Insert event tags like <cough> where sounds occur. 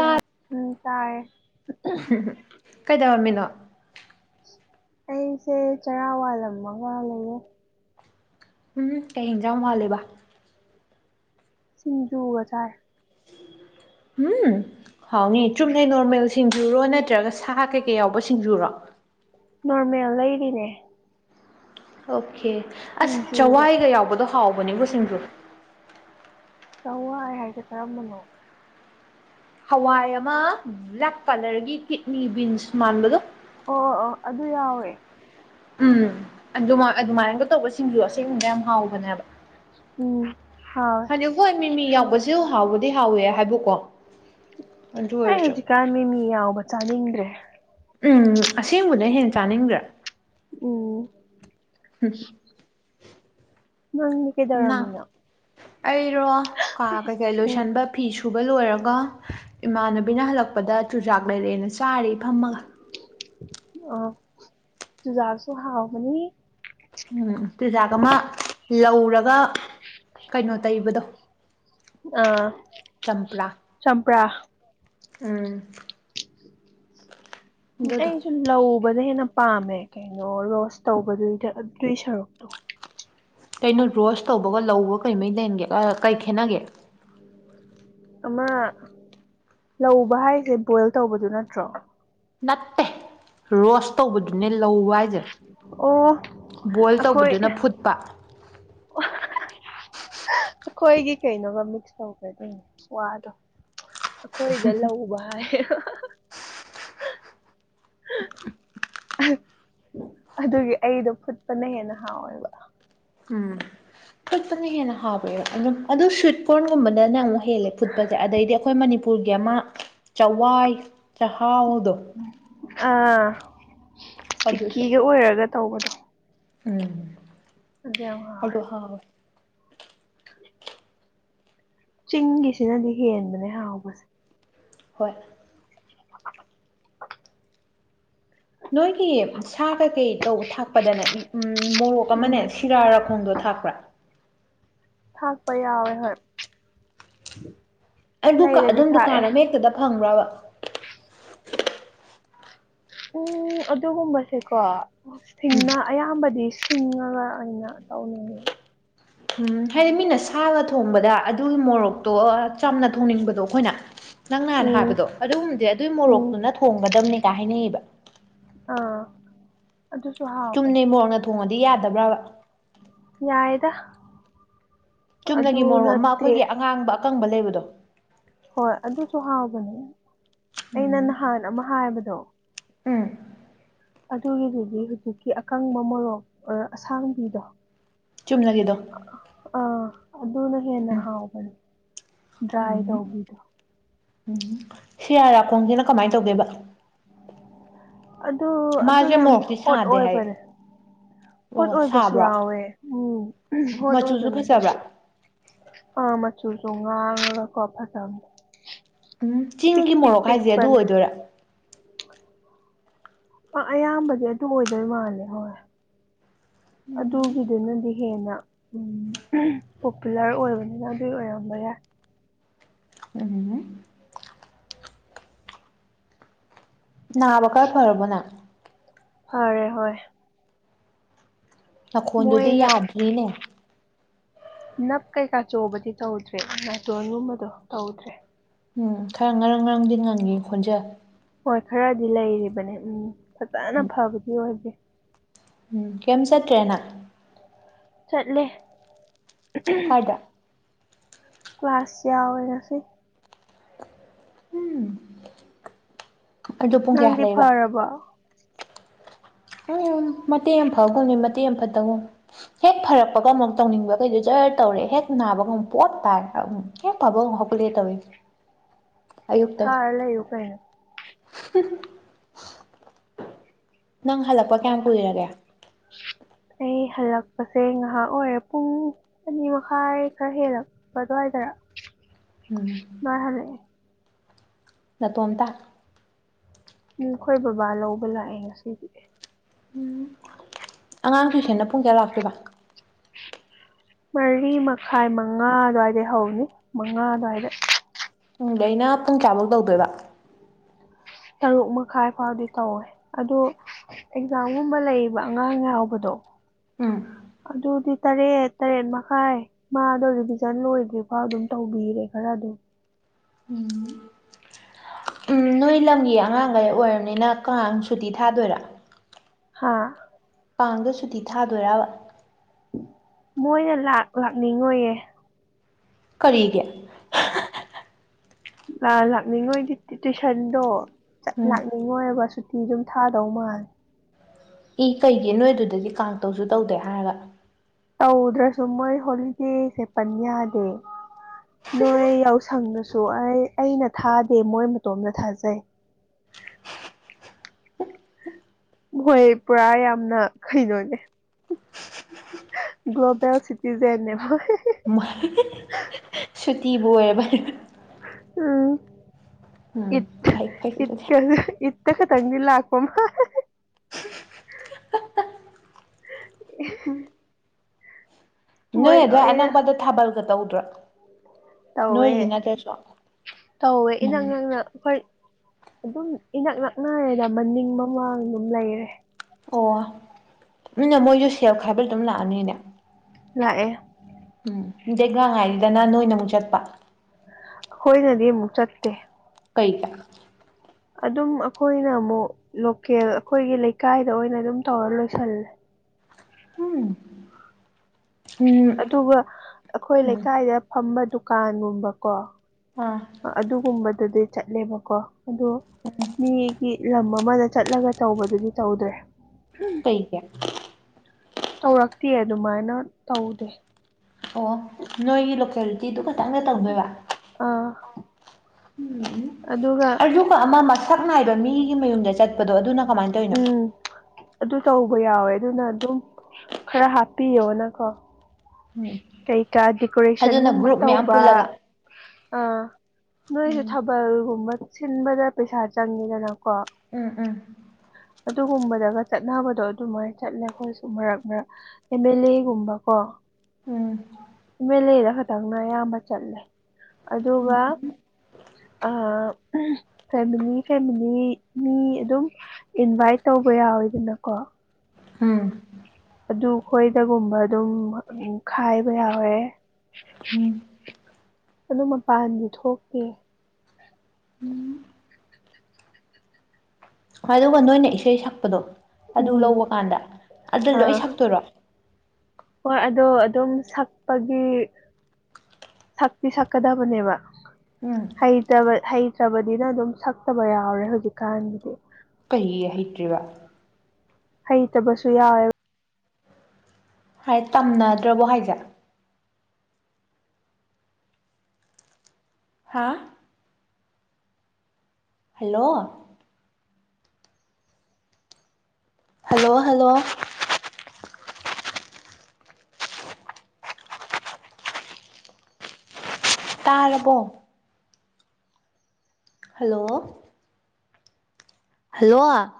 ꯌꯥ ꯎꯝ ꯇꯥꯏ ꯎꯝꯍ ꯀꯩꯗꯧꯔꯝꯃꯤꯅꯣ ꯑꯩꯁꯦ ꯆꯔꯥ ꯋꯥꯜꯂꯝꯕ ꯉꯥꯡ ꯂꯩꯉꯦ ꯎꯝ ꯀꯩ ꯌꯦꯟꯖꯥꯡ ꯃꯥꯜꯂꯦꯕ ꯁꯤꯡꯖꯨꯒ ꯆꯥꯏ ꯎꯝ ꯍꯥꯎꯅꯤ ꯆꯨꯝꯅꯩ ꯅꯣꯔꯃꯦꯜ ꯁꯤꯡꯖꯨꯔꯣ ꯅꯠꯇ꯭ꯔꯒ ꯁꯥ ꯀꯩꯀꯩ ꯌꯥꯎꯕ ꯁꯤꯡꯖꯨꯔꯣ ꯅꯣꯔꯃꯦꯜ ꯂꯩꯔꯤꯅꯦ ꯑꯣꯀꯦ ꯑꯁ ꯁꯤꯡꯖꯨꯒ ꯆꯋꯥꯏꯒ ꯌꯥꯎꯕꯗꯣ ꯍꯥꯎꯕꯅꯤꯕꯨ ꯁꯤꯡꯖꯣ ꯆꯥꯉꯏ ꯍꯥꯏꯒꯦ ꯀꯔꯝꯕꯅꯣ ꯍꯋꯥꯏ ꯑꯃ ꯕ꯭ꯂꯦꯛ ꯀꯂꯔꯒꯤ ꯀꯤꯠꯅꯤ ꯕꯤꯟꯁ ꯃꯥꯟꯕꯗꯣ ꯑꯣ ꯑꯣ ꯑꯣ ꯑꯗꯨ ꯌꯥꯎꯋꯦ ꯎꯝ ꯑꯗꯨ ꯑꯗꯨꯃꯥꯏꯅꯒ ꯇꯧꯕꯁꯤꯡꯁꯨ ꯑꯁꯦꯡꯕꯗ ꯌꯥꯝ ꯍꯥꯎꯏ ꯎꯝ ꯍꯥꯎꯋꯦ ꯍꯥꯏ ꯍꯣꯏ ꯃꯤꯃꯤ ꯌꯥꯎꯕꯁꯨ ꯍꯥꯎꯕꯗꯤ ꯍꯥꯎꯋꯦ ꯍꯥꯏꯕꯕꯨꯀꯣ ꯑꯩ ꯍꯧꯖꯤꯛꯀꯥꯟ ꯃꯤ ꯃꯤ ꯌꯥꯎꯕ ꯆꯥꯅꯤꯡꯗ꯭ꯔꯦ ꯎꯝ ꯑꯁꯦꯡꯕꯅ ꯍꯦꯟꯅ ꯆꯥꯅꯤꯡꯗ꯭ꯔꯥ ꯑꯣꯝ ꯍꯝ ꯅꯪ ꯅꯥ ꯀꯦꯗꯔꯃꯤꯅ ꯑꯩꯔꯣ ꯀꯥ ꯀꯩꯀꯩ ꯎꯝ ꯂꯣꯏꯁꯤꯟꯕ ꯐꯤ ꯁꯨꯕ ꯂꯣꯏꯔꯒ ꯏꯃꯥꯟꯅꯕꯤꯅ ꯍꯜꯂꯛꯄꯗ ꯆꯨꯖꯥꯛ ꯂꯩꯔꯦꯅ ꯆꯥꯔ ꯐꯝꯃꯒ ꯑ ꯇꯨꯖꯥꯁꯨ ꯍꯥꯎ ꯃꯅꯤ ꯎꯝ ꯆꯦꯖꯥꯛ ꯑꯃ ꯂꯧꯔꯒ ꯀꯩꯅꯣ ꯇꯩꯕꯗꯣ ꯑꯥ ꯆꯝꯄ꯭ꯔꯥ ꯆꯝꯄ꯭ꯔꯥ ꯎꯝ ꯑꯗꯨꯗꯣ ꯑꯩꯁꯨ ꯂꯧꯕꯗ ꯍꯦꯟꯅ ꯄꯥꯝꯃꯦ ꯀꯩꯅꯣ ꯔꯣꯁ ꯇꯧꯕꯗꯨꯗ ꯑꯗꯨꯏ ꯁꯔꯨꯛꯇꯣ ꯀꯩꯅꯣ ꯔꯣꯁ ꯇꯧꯕꯒ ꯂꯧꯕꯒ ꯀꯔꯤꯃꯩ ꯂꯩ ꯍꯦꯟꯒꯦ ꯀꯩ ꯈꯦꯠꯅꯒꯦ ꯑꯃ ꯂꯧꯕ ꯍꯥꯏꯁꯦ ꯕꯣꯏꯜ ꯇꯧꯕꯗꯨ ꯅꯠꯇ꯭ꯔꯣ ꯅꯠꯠꯇꯦ ꯔꯣꯁ ꯇꯧꯕꯗꯨꯅꯦ ꯂꯧꯕ ꯍꯥꯏꯁꯦ ꯑꯣ ꯕꯣꯏꯜ ꯑꯩꯈꯣꯏ ꯇꯧꯕꯗꯨꯅ ꯐꯨꯠꯄ ꯑꯩꯈꯣꯏꯒꯤ ꯀꯩꯅꯣꯒ ꯃꯤꯛꯁ ꯇꯧꯈ꯭ꯔꯗꯣꯏꯅꯦ ꯋꯥꯗꯣ ꯑꯩꯈꯣꯏꯗ ꯂꯧꯕ ꯍꯥꯏ ꯑꯗꯨꯒꯤ ꯑꯩꯗꯣ ꯐꯨꯠꯄꯅ ꯍꯦꯟꯅ ꯍꯥꯎꯋꯦꯕ ꯎꯝ ꯐꯨꯠꯄꯅ ꯍꯦꯟꯅ ꯍꯥꯕ꯭ꯔꯦ ꯑꯗꯨꯝ ꯑꯣ ꯁ꯭ꯋꯤꯠ ꯀꯣꯔꯟꯒꯨꯝꯕꯅꯅ ꯑꯃꯨꯛ ꯍꯦꯜꯂꯦ ꯐꯨꯠꯄ ꯑ ꯑꯗꯩꯗꯤ ꯑꯩꯈꯣꯏ ꯃꯅꯤꯄꯨꯔꯒꯤ ꯑꯃ ꯆꯋꯥꯏ ꯆꯥꯛꯍꯥꯎꯗꯣ ꯑꯥ ꯑꯗꯨꯁꯨ ꯐꯤꯀꯤꯒ ꯑꯣꯏꯔꯒ ꯇꯧꯕꯗꯣ ꯎꯝ ꯑꯗꯨ ꯌꯥꯝ ꯑꯗꯣ ꯍꯥꯎꯋꯦ ꯍꯥꯎ ꯢ ꯆꯤꯡꯒꯤꯁꯤꯅꯗꯤ ꯍꯦꯟꯕꯅꯦ ꯍꯥꯎꯕꯁꯦ ꯍꯣꯏ ꯅꯣꯏꯒꯤ ꯁꯥ ꯀꯩꯀꯩ ꯇꯧꯕ ꯊꯥꯛꯄꯗꯅꯦ ꯃꯣꯔꯣꯛ ꯑꯃꯅꯦ ꯎꯝ ꯁꯤꯔꯥꯔꯥꯈꯣꯡꯗꯣ ꯊꯥꯛꯄ꯭ꯔꯥ ꯊꯥꯛꯄ ꯌꯥꯎꯋꯦ ꯍꯣꯏ ꯑꯩ ꯂꯩꯔꯗꯤ ꯑꯗꯨꯝ ꯊꯥꯛꯑꯦ ꯗꯨꯀꯥꯟ ꯑꯃ ꯍꯦꯛꯇꯗ ꯐꯪꯕ꯭ꯔꯕ ꯎꯝ ꯑꯗꯨꯒꯨꯝꯕꯁꯦꯀꯣ ꯎꯝ ꯁꯤꯡꯅ ꯑꯌꯥꯝꯕꯗꯤ ꯁꯤꯉꯥꯒ ꯑꯩꯅ ꯇꯧꯅꯤꯡꯢ ꯎꯝ ꯍꯥꯏꯗꯤ ꯃꯤꯅ ꯁꯥꯒ ꯊꯣꯡꯕꯗ ꯑꯗꯨꯒꯤ ꯃꯣꯔꯣꯛꯇꯣ ꯆꯝꯅ ꯊꯣꯡꯅꯤꯡꯕꯗꯣ ꯑꯈꯣꯏꯅ ꯅꯪ ꯅꯍꯥꯟ ꯎꯝ ꯍꯥꯏꯕꯗꯣ ꯑꯗꯨꯒꯨꯝꯕꯗꯤ ꯑꯗꯨꯏ ꯎꯝ ꯃꯣꯔꯣꯛꯇꯨꯅ ꯊꯣꯡꯒꯗꯕꯅꯤꯒ ꯍꯥꯏꯅꯌꯦꯕ ꯑꯥ ꯑꯗꯨꯁꯨ ꯍꯥꯎꯕꯅꯦ ꯆꯨꯝꯅ ꯃꯣꯔꯣꯛꯅ ꯊꯣꯡꯉꯗꯤ ꯌꯥꯗꯕ꯭ꯔꯕ ꯌꯥꯏꯗ ꯆꯨꯝꯅꯒꯤ ꯃꯣꯔꯣꯛ ꯑꯗꯨꯅ ꯑꯃ ꯑꯩꯈꯣꯏꯒꯤ ꯇꯦꯁ ꯑꯉꯥꯡꯕ ꯑꯀꯪꯕ ꯂꯩꯕꯗꯣ ꯍꯣꯏ ꯑꯗꯨꯁꯨ ꯍꯥꯎꯕꯅꯦ ꯑꯩꯅ ꯎꯝ ꯅꯍꯥꯟ ꯑꯃ ꯍꯥꯏꯕꯗꯣ ꯎꯝ ꯑꯗꯨꯒꯤꯗꯨꯗꯤ ꯍꯧꯖꯤꯛꯀꯤ ꯑꯀꯪꯕ ꯃꯣꯔꯣꯛ ꯑꯣꯔ ꯑꯁꯥꯡꯕꯤꯗꯣ ꯆꯨꯝꯂꯒꯦꯗꯣ ꯑꯥ ꯑꯗꯨꯅ ꯍꯦꯟꯅ ꯎꯝ ꯍꯥꯎꯕꯅꯦ ꯗ꯭ꯔꯥꯏ ꯎꯝ ꯇꯧꯕꯤꯗꯣ ꯎꯝ ꯁꯤ ꯔꯥꯔꯈꯣꯡꯁꯤꯅ ꯀꯃꯥꯏꯅ ꯇꯧꯒꯦꯕ ꯑꯗꯨ ꯑꯗꯨ ꯃꯥꯁꯦ ꯌꯥꯝ ꯃꯣꯔꯣꯛꯇꯤ ꯍꯣꯠ ꯁꯥꯗꯦ ꯍꯥꯏ ꯑꯣꯏꯕꯅꯦ ꯍꯣꯠ ꯑꯣ ꯑꯣꯏꯕꯁꯨ ꯁꯥꯕ꯭ꯔꯣ ꯌꯥꯎꯋꯦ ꯎꯝ ꯍꯣꯠ ꯃꯆꯨꯁꯨ ꯑꯣꯏꯕꯅꯦ ꯐꯖꯕ꯭ꯔꯥ ꯑꯗꯨꯁꯨ ꯑ ꯃꯆꯨꯁꯨ ꯉꯥꯡꯉꯒꯀꯣ ꯐꯖꯕꯅꯦ ꯎꯝ ꯆꯤꯡꯒꯤ ꯄꯤꯛꯇꯤ ꯃꯣꯔꯣꯛ ꯍꯥꯏꯁꯦ ꯑꯗꯨ ꯄꯤꯛꯄꯅꯦ ꯑꯣꯏꯗꯣꯏꯔꯥ <unintelligible> ꯑꯥ ꯑꯌꯥꯝꯕꯗꯤ ꯑꯗꯨ ꯑꯣꯏꯗꯣꯏ ꯃꯥꯜꯂꯦ ꯍꯣꯏ ꯑꯗꯨꯒꯤꯗꯨꯅꯗꯤ ꯍꯦꯟꯅ ꯎꯝ ꯄꯣꯄꯨꯂꯔ ꯑꯣꯏꯕꯅꯤꯅ ꯑꯗꯨꯒꯤ ꯑꯣꯏꯔꯝꯕ ꯌꯥꯏ ꯎꯝ ꯅꯥꯕ ꯈꯔ ꯐꯔꯕꯣ ꯅꯪ ꯐꯔꯦ ꯍꯣꯏ ꯅꯈꯣꯟꯗꯨꯗꯤ ꯃꯣꯏꯅ ꯌꯥꯗ꯭ꯔꯤꯅꯦ ꯅꯞ ꯀꯩꯀꯥ ꯆꯣꯕꯗꯤ ꯇꯧꯗ꯭ꯔꯦ ꯅꯥꯇꯣꯟꯒꯨꯝꯕꯗꯣ ꯇꯧꯗ꯭ꯔꯦ ꯎꯝ ꯈꯔ ꯉꯔꯥꯡ ꯉꯔꯥꯡꯗꯤ ꯉꯪꯉꯤ ꯈꯣꯟꯖꯦꯜ ꯍꯣꯏ ꯈꯔꯗꯤ ꯂꯩꯔꯤꯕꯅꯦ ꯎꯝ ꯐꯖꯅ ꯎꯝ ꯐꯕꯗꯤ ꯑꯣꯏꯗꯦ ꯎꯝ ꯀꯩꯝ ꯆꯠꯇ꯭ꯔꯦ ꯅꯪ ꯆꯠꯂꯦ ꯀꯥꯢꯗ ꯀ꯭ꯂꯥꯁ ꯌꯥꯎꯋꯦ ꯉꯁꯤ ꯎꯝ ꯑꯗꯨ ꯄꯨꯡ ꯀꯌꯥ ꯅꯪꯗꯤ ꯍꯜꯂꯛꯏꯕ ꯐꯔꯕꯣ ꯎꯝ ꯃꯇꯦꯛ ꯑꯃ ꯐꯕꯒꯨꯝ ꯃꯇꯦꯛ ꯑꯃ ꯐꯠꯇꯒꯨꯝ ꯍꯦꯛ ꯐꯔꯛꯄꯒ ꯑꯃꯨꯛ ꯇꯧꯅꯤꯡꯕ ꯇꯩꯗꯤ ꯖꯔ ꯇꯧꯔꯦ ꯍꯦꯛ ꯅꯥꯕ ꯉꯝ ꯄꯣꯠ ꯇꯥꯏꯔꯦ ꯍꯦꯛ ꯐꯕꯒ ꯑꯃꯨꯛ ꯍꯧꯒꯂꯦ ꯇꯧꯔꯤꯁꯦ ꯊꯥꯔ ꯂꯩꯌꯨ ꯀꯩꯅꯣ ꯅꯪ ꯍꯜꯂꯛꯄ ꯀꯌꯥꯝ ꯀꯨꯏꯔꯒꯦ ꯑꯩ ꯍꯜꯂꯛꯄꯁꯦ ꯉꯥꯏꯍꯥꯛ ꯑꯣꯏꯔꯦ ꯄꯨꯡ ꯑꯅꯤ ꯃꯈꯥꯏ ꯈꯔ ꯍꯦꯜꯂꯛꯄ ꯑꯗꯨꯋꯥꯏꯗ ꯎꯝ ꯇꯣꯏꯍꯂꯦ ꯅꯇꯣꯝꯇ ꯎꯝ ꯑꯩꯈꯣꯏ ꯕꯕꯥ ꯂꯧꯕ ꯂꯥꯛꯑꯦ ꯉꯁꯤꯒꯤꯗꯤ ꯎꯝ ꯑꯉꯥꯡ ꯇꯨꯏꯁꯦꯅ ꯄꯨꯡ ꯀꯌꯥ ꯂꯥꯛꯇꯣꯏꯕ ꯃꯔꯤ ꯃꯈꯥꯏ ꯃꯉꯥ ꯑꯗꯨ꯭ꯋꯥꯏꯗꯩ ꯍꯧꯅꯤ ꯃꯉꯥ ꯑꯗꯨꯋꯥꯏꯗ ꯄꯨꯡꯗ ꯑꯩꯅ ꯄꯨꯡ ꯀꯌꯥꯃꯨꯛ ꯇꯧꯗꯣꯏꯕ ꯇꯔꯨꯛ ꯃꯈꯥꯏ ꯐꯥꯎꯗꯤ ꯇꯧꯋꯦ ꯑꯗꯨ ꯑꯦꯛꯖꯥꯝꯒꯨꯝꯕ ꯂꯩꯌꯦꯕ ꯑꯉꯥꯡ ꯌꯥꯎꯕꯗꯣ ꯎꯝ ꯑꯗꯨꯗꯤ ꯇꯔꯦꯠ ꯇꯔꯦꯠ ꯃꯈꯥꯏ ꯃꯥꯗꯣ ꯔꯤꯚꯤꯖꯟ ꯂꯣꯏꯗ꯭ꯔꯤꯐꯥꯎ ꯑꯗꯨꯝ ꯇꯧꯕꯤꯔꯦ ꯈꯔ ꯑꯗꯨꯝ ꯎꯝ ꯎꯝ ꯅꯣꯏ ꯂꯝꯒꯤ ꯑꯉꯥꯡꯈꯩ ꯑꯣꯏꯝꯅꯤꯅ ꯀꯉꯥꯡ ꯁꯨꯇꯤ ꯊꯥꯗꯣꯏꯔꯥ ꯍꯥꯥ ꯄꯥꯡꯗ ꯁꯨꯇꯤ ꯊꯥꯗꯣꯏꯔꯕ ꯃꯣꯏꯅ ꯂꯥꯛ ꯂꯥꯛꯅꯤꯡꯉꯣꯏꯌꯦ ꯀꯔꯤꯒꯤ ꯂꯥ ꯂꯥꯛꯅꯤꯡꯉꯣꯏꯗꯤ ꯇꯨꯏꯁꯟꯗꯣ ꯆꯠ ꯎꯝ ꯂꯥꯛꯅꯤꯡ ꯉꯣꯏꯒ ꯁꯨꯇꯤ ꯑꯗꯨꯝ ꯊꯥꯗꯧ ꯃꯥꯜꯂꯦ ꯏ ꯀꯩꯒꯤ ꯅꯣꯏ ꯑꯗꯨꯗꯗꯤ ꯀꯥꯡ ꯇꯧꯁꯨ ꯇꯧꯗꯦ ꯍꯥꯏꯔꯒ ꯇꯧꯗ꯭ꯔꯁꯨ ꯃꯣꯏ ꯍꯣꯂꯤꯗꯦꯁꯦ ꯄꯟ ꯌꯥꯗꯦ ꯅꯣꯏ ꯌꯥꯎꯁꯪꯅꯁꯨ ꯑꯩ ꯑꯩꯅ ꯊꯥꯗꯦ ꯃꯣꯏ ꯃꯇꯣꯝꯗ ꯊꯥꯖꯩ ꯃꯣꯏ ꯄꯨꯔꯥ ꯌꯥꯝꯅ ꯀꯩꯅꯣꯅꯦ ꯒ꯭ꯂꯣꯕꯦꯜ ꯁꯤꯇꯤꯖꯦꯟ ꯅꯦ ꯃꯣꯢ ꯁꯨꯇꯤꯕꯨ ꯑꯣꯏꯕ ꯎꯝ ꯎꯝ ꯏꯠ ꯐꯩ ꯐꯩ ꯑꯗꯨꯗꯤ ꯏꯠꯀ ꯏ ꯍꯛꯇ ꯈꯇꯪꯗꯤ ꯂꯥꯛꯄ ꯃꯥ <unintelligible> ꯅꯣꯏ ꯃꯣꯏ ꯑꯗꯨꯗ ꯂꯣꯏꯅ ꯑꯅꯛꯄꯗ ꯊꯥꯕꯜꯒ ꯇꯧꯗ꯭ꯔꯣ ꯇꯧꯋꯦ ꯅꯣꯏꯒꯤ ꯅꯠꯇ꯭ꯔꯁꯨ ꯇꯧꯋꯦ ꯏꯅꯪ ꯅꯪꯅ ꯍꯣꯏ ꯑꯗꯨꯝ ꯏꯅꯛ ꯅꯛꯅꯔꯦꯗ ꯃꯅꯤꯡ ꯃꯃꯥꯡ ꯑꯗꯨꯝ ꯂꯩꯔꯦ ꯑꯣ ꯅꯅ ꯃꯣꯏꯁꯨ ꯁꯦꯜ ꯈꯥꯏꯕ ꯑꯗꯨꯝ ꯂꯥꯛꯑꯅꯤꯅꯦ ꯂꯥꯛꯑꯦ ꯎꯝ ꯩꯒꯥꯡ ꯉꯥꯏꯔꯤꯗꯅ ꯅꯣꯏꯅ ꯑꯃꯨꯛ ꯆꯠꯄ ꯍꯣꯏꯅꯗꯤ ꯑꯃꯨꯛ ꯆꯠꯇꯦ ꯀꯩꯇ ꯑꯗꯨꯝ ꯑꯩꯈꯣꯏꯅ ꯑꯃꯨꯛ ꯂꯣꯀꯦꯜ ꯑꯩꯈꯣꯏꯒꯤ ꯂꯩꯀꯥꯏꯗ ꯑꯣꯏꯅ ꯑꯗꯨꯝ ꯇꯧꯔ ꯂꯣꯏꯁꯜꯂꯦ ꯎꯝ ꯎꯝ ꯑꯗꯨꯒ ꯑꯩꯈꯣꯏ ꯎꯝ ꯂꯩꯀꯥꯏꯗ ꯐꯝꯕ ꯗꯨꯀꯥꯟꯒꯨꯝꯕꯀꯣ ꯑꯥ ꯑꯗꯨꯒꯨꯝꯕꯗꯨꯗꯤ ꯆꯠꯂꯦꯕꯀꯣ ꯑꯗ ꯎꯝ ꯃꯤꯒꯤ ꯂꯝ ꯑꯃꯗ ꯆꯠꯂꯒ ꯇꯧꯕꯗꯨꯗꯤ ꯇꯧꯗ꯭ꯔꯦ ꯀꯩ ꯀ ꯇꯧꯔꯛꯇꯦ ꯑꯗꯨꯃꯥꯏꯅ ꯇꯧꯗꯦ ꯑꯣ ꯅꯣꯏꯒꯤ ꯂꯣꯀꯦꯂꯤꯇꯤꯗꯨ ꯈꯇꯪꯗ ꯇꯧꯗꯣꯏꯕ ꯑꯥ ꯎꯝ ꯎꯝ ꯑꯗꯨꯒ ꯑꯃ ꯃꯁꯛ ꯅꯥꯏꯕ ꯃꯤꯒꯤ ꯃꯌꯨꯝꯗ ꯆꯠꯄꯗꯣ ꯑꯗꯨꯅ ꯀꯃꯥꯏꯅ ꯇꯧꯔꯤꯅꯣ ꯎꯝ ꯑꯗꯨ ꯇꯧꯕ ꯌꯥꯎꯋꯦ ꯑꯗꯨꯅ ꯑꯗꯨꯝ ꯈꯔ ꯍꯥꯞꯄꯤꯌꯣꯅꯀꯣ ꯎꯝ ꯀꯩꯀꯥ ꯑꯗꯨꯅ ꯗꯦꯀꯣꯔꯦꯁꯟꯒꯨꯝꯕ ꯒ꯭ꯔꯨꯞ ꯃꯌꯥꯝ ꯇꯧꯕ ꯄꯨꯜꯂꯒ ꯑ ꯅꯣꯏꯁꯨꯦ ꯎꯝ ꯊꯥꯕꯜꯒꯨꯝꯕ ꯁꯤꯟꯕꯗ ꯄꯩꯁꯥ ꯆꯪꯉꯤꯗꯅꯀꯣ ꯎꯝ ꯎꯝ ꯑꯗꯨꯒꯨꯝꯕꯗꯒ ꯆꯠꯅꯕꯗꯣ ꯑꯗꯨꯃꯥꯏꯅ ꯆꯠꯂꯦ ꯑꯩꯈꯣꯏꯁꯨ ꯃꯔꯛ ꯃꯔꯛ ꯑꯦꯝ ꯑꯦꯜ ꯑꯦꯒꯨꯝꯕ ꯀꯣ ꯎꯝ ꯑ ꯑꯦꯜ ꯑꯦꯗ ꯈꯛꯇꯪꯅ ꯑꯌꯥꯝꯕ ꯆꯠꯂꯦ ꯑꯗꯨꯒ ꯐꯦꯃꯤꯂꯤ ꯐꯦꯃꯤꯂꯤ ꯃꯤ ꯑꯗꯨꯝ ꯏꯟꯚꯥꯏꯠ ꯇꯧꯕ ꯌꯥꯎꯋꯦꯗꯅꯀꯣ ꯎꯝ ꯑꯗꯨ ꯈꯣꯏꯗꯒꯨꯝꯕ ꯑꯗꯨꯝ ꯈꯥꯏꯕ ꯌꯥꯎꯋꯦ ꯎꯝ ꯑꯗꯨ ꯃꯄꯥꯟꯗꯤ ꯊꯣꯛꯇꯦ ꯣꯏ ꯑꯗꯨꯒ ꯅꯣꯏꯅ ꯏꯁꯩ ꯁꯛꯄꯗꯣ ꯑꯗꯨ ꯎꯝ ꯂꯧꯕ ꯀꯥꯟꯗ ꯑꯗꯨ ꯂꯣꯏ ꯑꯥ ꯁꯛꯇꯔꯣ ꯍꯣꯏ ꯑꯗꯣ ꯑꯗꯨꯝ ꯁꯛꯄꯒꯤ ꯁꯛꯇꯤ ꯁꯛꯀꯗꯕꯅꯦꯕ ꯎꯝ ꯇ ꯍꯩꯇ꯭ꯔꯕꯗꯤꯅ ꯑꯗꯨꯝ ꯁꯛꯇꯕ ꯌꯥꯎꯔꯦ ꯍꯧꯖꯤꯛꯀꯥꯟꯒꯤꯗꯤ ꯀꯩ ꯍꯩꯇ꯭ꯔꯤꯕ ꯍꯩꯇꯕꯁꯨ ꯌꯥꯎꯋꯦꯕ ꯍꯥꯏ ꯇꯝꯅꯗ꯭ꯔꯕꯣ ꯍꯥꯏꯁꯦꯠ ꯍꯥ ꯍꯜꯂꯣ ꯍꯜꯂꯣ ꯍꯜꯂꯣ ꯇꯥꯔꯕꯣ ꯍꯜꯂꯣ ꯍꯜꯂꯣ